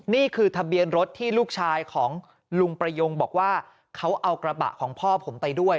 นี่คือทะเบียนรถที่ลูกชายของลุงประยงบอกว่าเขาเอากระบะของพ่อผมไปด้วย